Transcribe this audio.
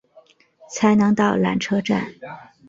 才能到缆车站